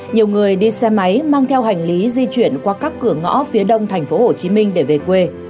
nhiều người đi xe máy mang theo hành lý di chuyển qua các cửa ngõ phía đông tp hcm để về quê